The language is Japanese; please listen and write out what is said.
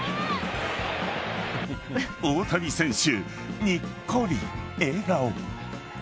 大谷選手、にっこり笑顔。